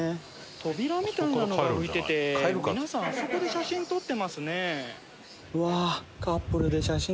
扉みたいなのが浮いてて皆さんあそこで写真撮ってますね。